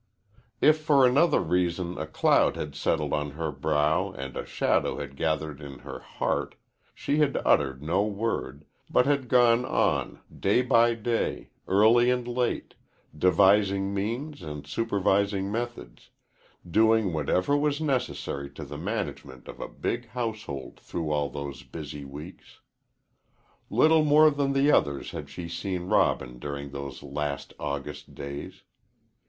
If for another reason a cloud had settled on her brow and a shadow had gathered in her heart, she had uttered no word, but had gone on, day by day, early and late, devising means and supervising methods doing whatever was necessary to the management of a big household through all those busy weeks. Little more than the others had she seen Robin during those last August days.